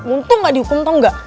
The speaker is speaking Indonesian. untung gak dihukum tau gak